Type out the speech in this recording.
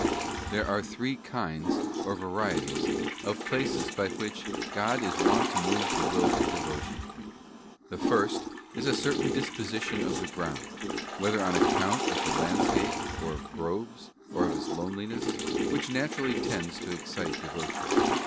TueEnReE are three kinds or varieties of places by means of which God is wont to move the will to devotion. The first is a certain disposition of the ground—whether on account of the land scape, or of groves, or of its loneliness—which naturally tends to excite devotion.